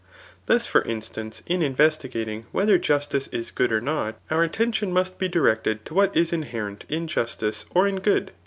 Thus for in stance, in investi^ting whether justice is good or not, our attention must be directed to wluit is inherent in justice or in good.